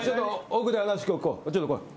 ちょっと来い。